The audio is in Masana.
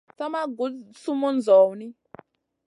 Sa ma guɗ sumun zawni.